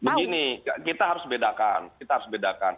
begini kita harus bedakan